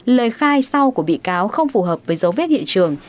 lời khai sau của bị cáo không phù hợp với dấu vết hiện trường